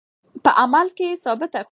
په عمل کې یې ثابته کړو.